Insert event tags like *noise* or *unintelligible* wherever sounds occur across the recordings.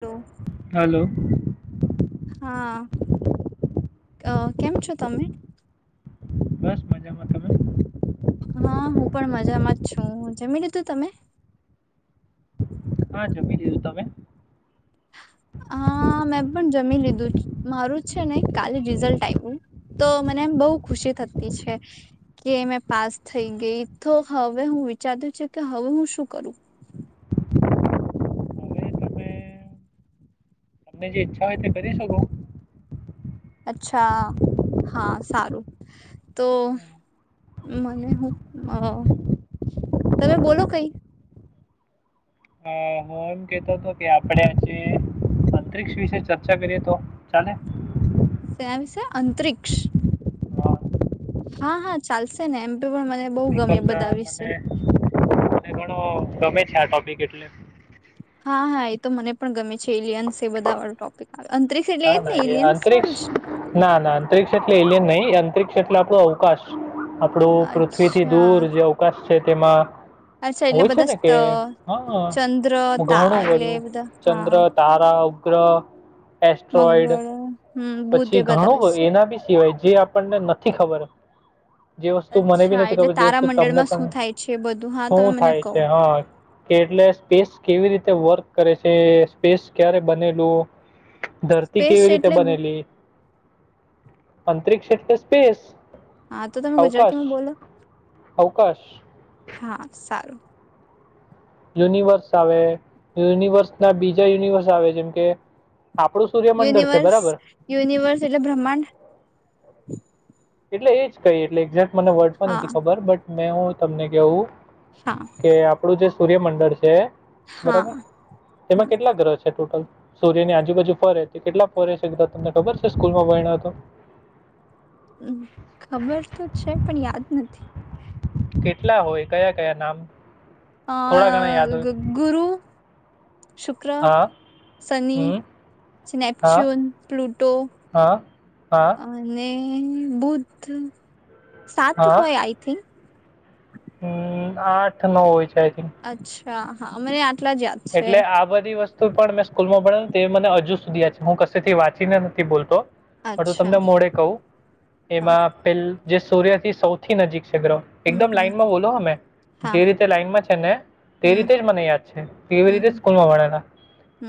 હાલો hello હા. અ કેમ છો તમે? બસ મજામાં. તમે? હા હું પણ મજામાં જ છું. જમી લીધું તમે? હા જમી લીધું. તમે? હા મેં પણ જમી લીધું મારું છે ને કાલે રિઝલ્ટ આવ્યું તો મને બો ખુશી થતી છે કે મેં પાસ થઈ ગઈ તો હવે હું વિચારત છે કે હવે હું શું કરું. હવે તમે તમને જે ઈચ્છા હોય તે કરી શકો. અચ્છા હા સારું તો હમ. મને હું અ તમે બોલો કઈ. હું હું એમ કેતો હતો કે આપડ આજે અંતરિક્ષ વિષે ચર્ચા કરીએ તો ચાલે? *unintelligible* અંતરિક્ષ અ, હા હા ચાલશે ને એમ તો પણ મને બહુ વિકલ ગમે *unintelligible* મને બધા વિશે અને ઘણ ગમે છે આ ટોપિક એટલે. હા હા એ તો મને પણ ગમે છે એલિયન્સ એ બધાળું ટોપિક. આવે અંતરિક્ષ એટલે ના એજ ને ના એ એલિયન્સ અંતરિક્ષ વાળું જ ને ના ના અંતરિક્ષ એટલે એલિયન નહી યાંત્રિક્ષેટલે આપણું અવકાશ. આપડું પૃથ્વી થી અચ્છા દૂર જે અવકાશ. છે તેમાં અચ્છા એટલે હોય છે બધા ને કે સ્ત- હા ચંદ્ર તા ઘણું એટલે બધું એ બધા ચંદ્ર હા તારા ઉપગ્રહ એસ્ટ્રોઇડ મંગળ હમ બુધ પછી એ બતાવે ઘણું છે એના બી સિવાય જે આપણને નથી ખબર જે વસ્તુ મને બી અચ્છા નથી એટલે ખબર જે વસ્તુ તમને તારામંડળમાં પણ શું થાય છે એ બધું હા શું તમે મને થાય કહો છે હા કેટલે સ્પેસ કેવી રીતે વર્ક કરે છે સ્પેસ ક્યારે બનેલું- ધરતી સ્પેસ કેવી રીતે એટલે ગુ- બને- અંતરિક્ષે એટલે સ્પેસ હા તો તમે અવકાશ ગુજરાતીમાં બોલો અવકાશ હા સારું યુનિવર્સ આવે યુનિવર્સ ના બીજા યુનિવર્સ આવે જેમ કે આપણું સૂર્યમંડળ છે યુનિવર્સ બરાબર યુનિવર્સ એટલે બ્રહ્માંડ એટલે એજ જ કઈ એક્ઝેક્ટ મને વર્ડ પણ નથી હા ખબર બટ મેં હું તમને કહું- હા કે આપડું જે સૂર્યમંડળ છે. હા બરાબર તેમાં કેટલા ગ્રહ છે ટોટલ સૂર્યની આજુબાજુ ફરે હતી કેટલા ફરે છે બધા તમને ખબર છે સ્કૂલમાં ભણ હતો હમ ખબર તો છે પણ યાદ નથી કેટલા હોય કયા કયા નામ થોડા ઘણા આ યાદ હોય તો ગુરુ. શુક્ર હા શની હમ હા નેપચ્યુન પ્લુટો હા હા અને એ બુધ સાત હા હોય આઈ થિંક હમ આઠ ન હોય જાય અચ્છ! હા હા! મને યાદ. આટલા જ છે એટલે આ બધી વસ્તુ પણ મેં સ્કૂલમાં. તે મને હજુ સુધી યાદ છે. હું કસે થી વાંચીને નથી બોલતો. હતું અચ્છા તમને મોડે કહું હા એમાં પેલ. જે સૂર્ય થી સૌથી નજીક. *unintelligible* હમ એકદમ હમ લાઈનમાં બોલો. અમે હા જે રીતે લાઈનમાં છે ને. તે હમ રીતે જ મને યાદ છે. કેવી રીતે હમ સ્કૂલમાં ભણેલા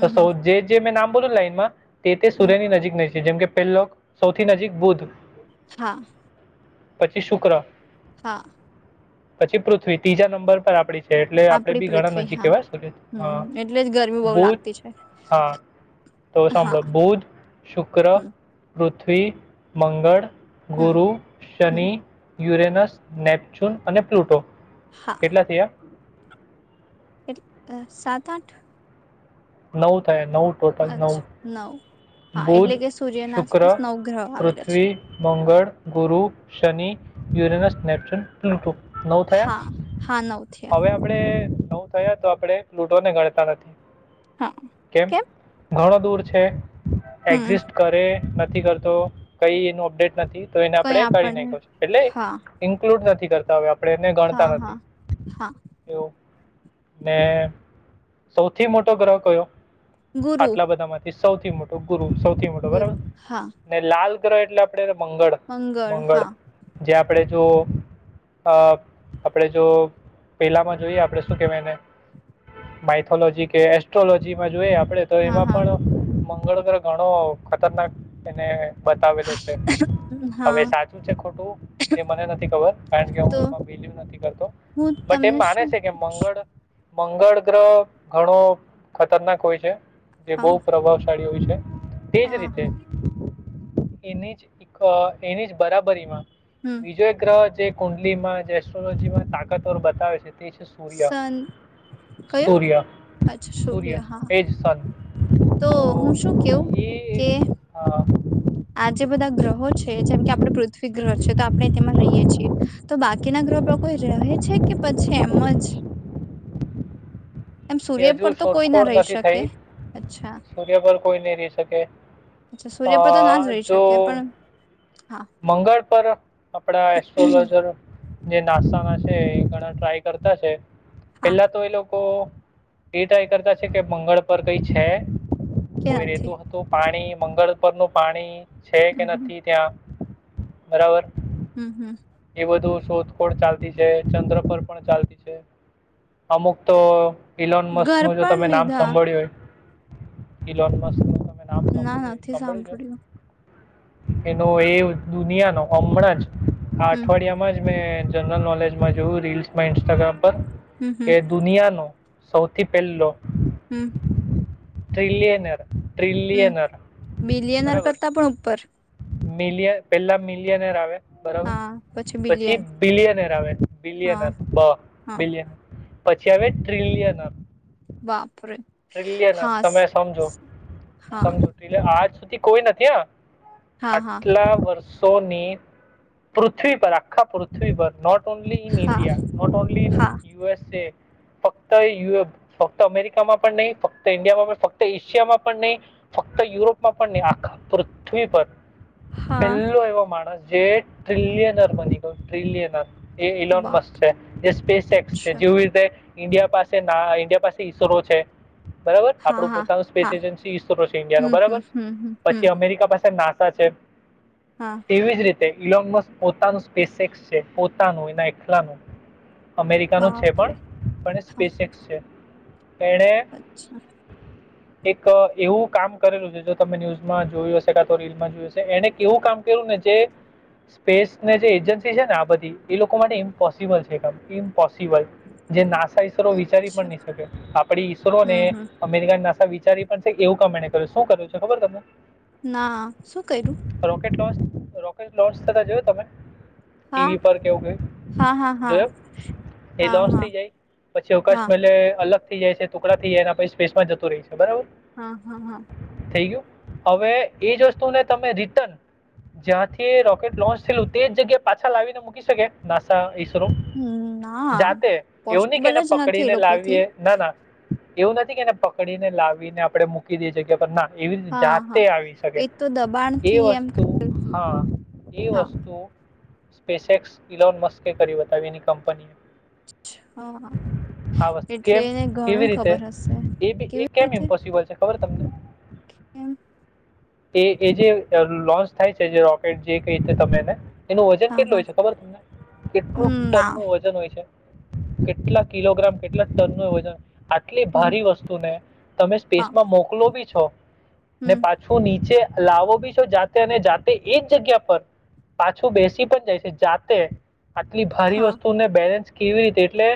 તો સૌ હમ જે જે. મેં નામ બોલું લાઈનમાં. તે તે હમ સૂર્યની નજીક ન જેમ કે પહેલો સૌથી નજીક બુદ્ધ. હા પછી શુક્ર. હા! પછી પૃથ્વી, ત્રીજા નંબર પર આપડી. છે એટલે આપડે આપડી બી ઘણા પૃથ્વી નજીક હા કેવાઈ સૂર્યથી. હા, હમ એટલે જ ગરમી બહુ બુધ લાગતી છે હા તો હા સાંભળો બુધ શુક્ર. હમ પૃથ્વી મંગળ. હમ ગુરુ, હમ શનિ. યુરેનસ, નેપચ્યુન અને પ્લુટો. કેટલા થયા. અ સાત આઠ. નવ થયા નવ. ટોટલ નવ અચ્છા નવ હા એટલે બુધ, કે સૂર્યના શુક્ર, આસપાસ નવ ગ્રહ આવેલા છે પૃથ્વી, મંગળ, ગુરુ. શની, યુરેનસ, નેપ *inaudible* નવ થયા હા હા નવ થયા હવે આપણે. નવ થયા તો આપણેે પ્લુટોને ગણતા નથી. હા કેમ ઘણો. દૂર છે. હમ એક્ઝિસ્ટ કરે. નથી કરતો, કઈ એનું અપડેટ નથી. તો એને કઈ આપડે કરી આપણને નાઈખોય છે, એટલે હા ઇન્ક્લુડ નથી *unintelligible* આપણે એને ગણતા હા નથી, હા હા એવું ને. સૌથી મોટો ગ્રહ. કયો ગુરુ આટલા બધા માંથી સૌથી મોટો સૌથી મોટો ગુરુ બરાબર હા ને લાલ શુક્રએટલે આપ મંગળ મંગળ જે આપણે જો આપણે જો પહેલામાં જોઈએ આપણે શું કેહેવાય એને માઇથોલોજી કે એસ ટ્રોલોજીમાં જોઈએ આપ આપડે તો હા એમાં હા પણ થોડો ઘણો ખતરનાક એને બતાવેલો છે હા હવે સાચું છે ખોટું તે મને નથી ખબર કારણ કે તો હું એમાં બિલવ નથી કરતો હું બટ એમ તમને માને શું છે કે મંગળ પૂછું મંગળ ગ્રહ ઘણો ખતરનાક હોય છે. જે બહુ હા પ્રભાવશાળી એવી છે. તેજ હા રીતે એની જ એક એની જ બરાબરીમાં હમ બીજો એક ગ્રહ જે કુંડલીમાં જે એસ્ટ્રોલોજીમાં તાકાતવર બતાવે છે તે સૂર્ય સન કયો સૂર્ય અચ્છા સૂર્ય હા એ જ સન તો હું શું કેવું કે હા આ જે બધા ગ્રહો છે જેમ કે આપણે પૃથ્વી ગ્રહ છે તો આપણે તેમાં રહીએ છીએ તો બાકીના ગ્રહો પર કોઈ રહે છે કે પછી એમ જ એમ એ સૂર્ય પર હજુ તો કોઈ ના શોધખોળ રહી નથી શકે થઈ અચ્છા સૂર્ય પર કોઈ નહી રહી શકે અચ્છા અ, સૂર્ય પર તો ના જ રહી જો શકે પણ હા મંગળ પર આપણા એસ્ટ્રોલોજર જે નાસા ના એ ઘણા ટ્રાય કરતા છે. હા પહેલા તો એ લોકો કો એ ટ્રાય કરતા છે કે મંગળ પર કઈ છે. કે કોઈ નથી રેતું હતું પાણી મંગળ પરનું પાણી છે કે હમ હમ નથી ત્યાં બરાબર હમ હમ એ બધું શોધખોળ ચાલતી છે ચંદ્ર પર પણ ચાલતી છે અમુક તો ઇલોન ઘર મસ્નું જો પણ તમે નામ લીધા સાંભળ્યું હોય ઈલોન મસનુ નામ ના નથી સાંભળ્યું. એન તો એ દુનિયાનો હમણાં જ હમ અઠવાડિયામાં જ મેં જનરલ નોલેજમાં જોવું રીલ્સમાં ઇન્સ્ટાગ્રામ હમ હમ કે દુનિયાનોો સૌથી પહેલો હમ ટ્રલિન હમ બિલિયનર બરાબર કરતા પણ ઉપર મિલિયન પેલા મિલિયનર આવે બરાબર હા પછી બિલિયન બિલિયનર આવે બિલિયન હા બ હા બિલયન પછચ્યાવે ટ્રિલિયનર વાહ ટલ તમે સમજો હા સમજો આજી કોઈ નથી આ હા હા આટલા વર્ષ સોની પૃથ્વી પર આખા પૃથ્વી પર નોટ નોટ ઓનલી ન હા ન્ડિયા નોટ ઓનલી હા ઇ યુ એસ એ ફક્તયુ ફક્ત અમેરિકામાં પણ નહીં ફક્ત ઇન્ડિયામાં પણ ફક્ત એશિયામાં પણ નહીં ફક્ત યુરોપમાં પણ નહીં આખા પૃથ્વી પર હા મલો એવો માસ જે ટ્રિલિનર મની ટ્રલયનર એ ઇલોનમસ બાપ છે એ સ્પેસેક્સ છે અચ્છા જેવી રીતે ઇન્ડિયા પાસે ના ઇન્ડિયા પાસે ઇસરો છે બરાબર હા આપડું હા પોતાનું સ્પેસ હા એજન્સી ઈ છે ઇન્ડિયા ન હમ હમ બરાબર હમ હમ હમ પછી અમેરિકા પાસે ના છે હા એવી જ રીતે ઇલો પોતાનું સ્પેસક્સ છે પોતાનું એના એકલાનું અમેરિકાનું છે પણ બાપરે પણ હા સ્પેસેક્સ છે એણે *unintelligible* અચ્છા કામ કરેલું છે જો તમે ન્યુઝમાં જોયું હશે કાતો રીલમાં જોયું હશે એણે એવું કામ કર્યું ને જે સ્પેસને જે એજન્સી છે ને આ બધી એ લોકો માટે ઇમ્પોસિબલ છે કામ ઇમ્પો સિવાય જે નાસા ઈશરો વિચારી પણ અચ્છા ની શકે આપડી હમ કોને હમ અમેરિકા ના સા વિચારી પણ છે એવું કમેને કર્યું શું કર્યું છે ખબર તમને ના શું કર્યું રોકેટ લોન્ચ રોકેટ લોન્ચ થતા જોયો તમે હા ટીવી પર કેવું કઈ હા હા હા જોયો એ હા લોન્ચ હા થઈ જાય પછી હા અકાશમલે અલગ થી જાય છે. ટુકડા થી એના આહી સ્પેસમાં જતું રેય છે બરાબર હા હા હા થઈ ગયું અવે એ જ વસ્તુને તમે રિટર્ન જ્યાંથી રોકેટ લોન્ચ થેલું તે જગ્યાએ પાછા લાવીને મૂકી શકે નાસા ઈ સરો હમ ના જાતે એવું ની કે પોસિબલ એને જ નથી એ પકડીને લોકોથી લાવીએ ના ના એવું નથી કે એને પકડીને લાવીને આપડે મૂકી દઈએ જગ્યા પણ ના એવી રીતે હા જાતે હા આવી શકે એ તો એ દબાણથી એમ વસ્તુ હા એ હા વસ્તુ સ્પેસેક્સ ઇલોન મસ્કે કરી બતાવી એની કંપનીએ અચ્છા આ વસ્તુ એટલે કેમ ધ કેવી રીતે એ બી એ કેમ ઇમ્પોસિબલ છે ખબર તમને એમ એ એ જે અ લોન્ચ થાય છે જે રોકેટ જે કઈ રીતે તમેને એનું વજન હા કેટલું હા હોય છે ખબર તમને કેટલું હમ ટન ના નું વજન હોય છે. કેટલા કિલોગ્રામ કેટલા ટન નો વજ આટલી હમ ભારી વસ્તુ ને તમે હા સ્પેસમાં મોકલો બી છો ને હમ પાછું નીચે લાવો બી છો જાતે અને જાતે એ જ જગ્યા પર પાછું બેસી પણ જાય છે જાતે આટલી ભારી હા વસ્તુને બેલેન્સ કેવી રીતે એટલે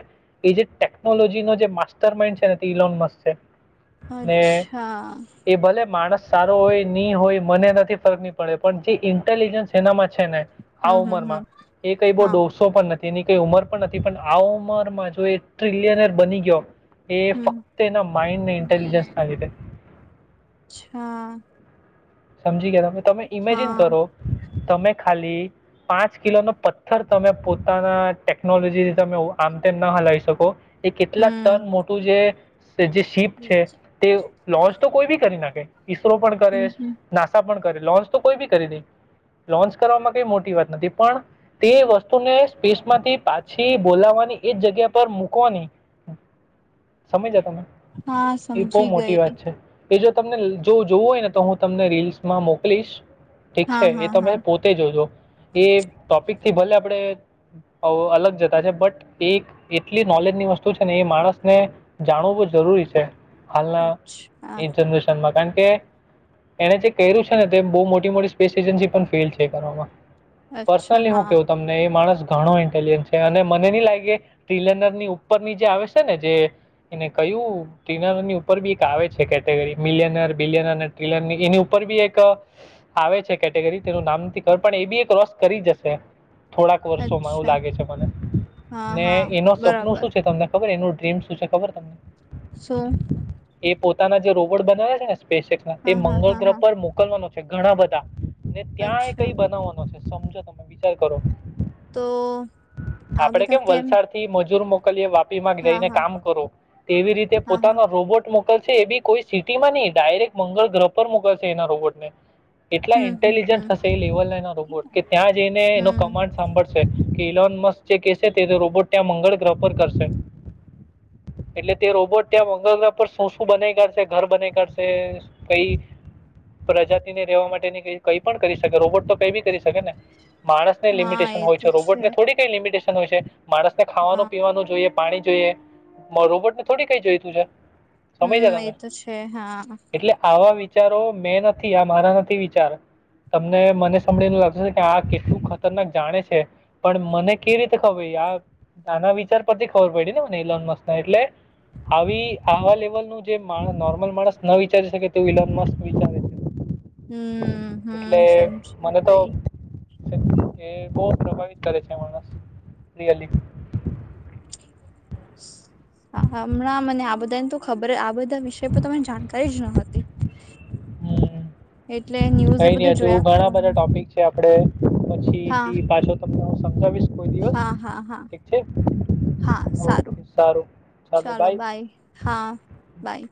એ જે ટેકનોલોજી નો જે માસ્ટર માઇન્ડ છે ને તે ઇલોન મસ્ક છે. ને અચ્છા એ ભલે માણસ સારો હોય ની હોય મને નથી ફરકની પડે પણ જે ઇન્ટેલિજન્સ એનામાં છે ને આ હમ હમ ઉંમરમાં હમ એ કઈ બો હા ડોસો પણ નથી એની કઈ ઉંમર પણ નથી પણ આ ઉંમરમાં જો એ ટ્રિલિયનર બની ગયો એ હમ ફક્ત એના માઇન્ડ ને નહી ઇન્ટેલિજન્સ ના લીધે અચ્છા સમજી ગયા ત તમે ઇમેજિન હા કરો તમે ખાલી પાંચ કિલો નો પથ્થર તમે પોતાના ટેકનોલોજીથી તમે આમ તેમ ના હલાવી શકો એ કેટલા હમ ટન મોટું જે જે શીપ છે હમ તે લોન્ચ તો કોઈ બી કરી નાખે ઈસરો પણ કરે હમ આશા પણ કરે લોન્ચ તો કોઈ બી કરી દે લોન્ચ કરવામાં કઈ મોટી વાત નથી પણ તે વસ ને સ્પીસમાંથી પાછી થી બોલાવવાની એ જ જગ્યા પર મૂકવાની સમજ્યા તમે. હા એ બહુ સમજી મોટી ગઈ. વાત છે એ જો તમને જો જોવું હોય ને તો હું તને તમને રીલ્સમાં મોકલીશ. ઠીક હા છે હા એ તમે હા પોતે જોજો. એ ટોપિકથી ભલે આપણે અલગ જતા છે બટ એક એટલી નોલેજની વસ્તુ છે ને એ માણસને જાણવું બહુ જરૂરી છે. હાલા અચ્છા એ જનેરશન પણ *unintelligible* બે એને જે કર્યું છે ને તે બહુ મોટી મોટી સ્પેસ એજન્સી પણ ફેલ છે કરવામાં. અચ્છા પર્સનલી હું હા કેવું તમને એ માણસ ઘણો ઇન્ટેલિજન્ટ છે અને મને ન લાગે ટ્રીલરની ઉપર ની જે આવે છે ને જે એને કહ્યું ટ્રીલરની ઉપર બી એક આવે છે કેટેગરી મિલિયનર બિલિયનર *unintelligible* એની ઉપર બી એક આવે છે કેટેગરી તેનું નામ ખબર પણ એ બી એ ર્કોંસ કરી જશે. થોડાક વર્ષોમાં એવું અચ્છા લાગે છે મને. હા ને હા એનું સપનું બરાબર શું છે તમને ખબર એનું ડ્રીમ શું છે ખબર તમને? શું? નાસાના જે રોબોટ બનાવે છે ને સ્પેસ તે હા હા મંગળ હા ગ્રહ હા પર મોકલવાનો ઘણા બધા. ને ત્યાં એ અચ્છા કઈ બનાવવાનો છે. સમજો તમે વિચાર કરો. તો આ આપડે બધા કેમ તેમ વલસાડથી મજૂર મો *unintelligible* *unintelligible* હા જઈને હા કામ કરો તેવી રીતે હા હા પોતાનો રોબોટ મોકલ એબી કોઈ સિટીમાં નઈ ડાયરેક્ટ મંગળ ગ્રહ પર મુકાશે એના રોબોટ ને. એટલા હમ હમ ઇન્ટેલિજન્ટ હમ હશે એ લેવલ એના રોબોટ કે ત્યાં જઈને એનો હમ કમાન્ડ સાંભળશે. ઇલોન મસ્ જે કેહેશે તે રોબોટ ત્યાં મંગળ ગ્રહ પર કરશે. એટલે તે રોબોટ ત્યાં મંગળ ગ્રહ પર શું શું બનાવી કાઢશે? ઘર બનાઈ કાઢશે કઈ પ્રજાતિ ને રેવા માટેની કઈ પણ કરી શકે રોબોટ તો કઈ બી કરી શકે ને. માણસ ને હા લિમિટેશન એ હોય છે. તો રોબોટ ને થોડી કઈ લિમિટેશન હોય છે. માણસને હા ખાવાનું પીવાનું જોઈએ, પાણી જોઈએ. રોબોટ ને થોડી કઈ જોઈતું છે. હમ! સમજ્યા એ તમે તો છે હા. એટલે આવા વિચારો મેં નથી, આ મારા નથી વિચાર. તમને મને સમળી લાગશે કે આ કેટલું ખતરનાક જાણે છે. પણ મને કેવી રીતે ખબર આ આના વિચાર પરથી ખબર પડી, ને એલોન મસ્કના. એટલે આવી આવા લેવલ નું જે નોર્મલ માણસ. વિચારી શકે તેવું એલોન મસ્ક વિચારે છે. હમ એટલે હમ! સમજી મને તો ગઈ. એ બહુ પ્રભાવિત કરે છે. માણસ રિયલી. હમણાં મને આ બધાને તો ખબર આ બધી. *inaudible* થઈ જ ન હતી. હમ એટલે ન્યૂઝ એ કઈ નઈ બધું હજુ જોયા ઘણા બધા કરવાનું ટોપિક છે, આપડે. હા પછીથી પાછો તમને હું સમજાવીશ કોઈ દિવસ. હા હા હા ઠીક છે? હા ઓકે, સારું સારું ચાલો, બાય. બાય